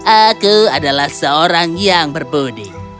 aku adalah seorang yang berbudi